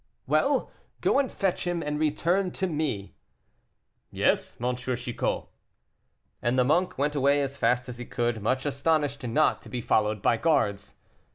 "Well! go and fetch him, and return to me." "Yes, M. Chicot." And the monk went away as fast as he could, much astonished not to be followed by guards.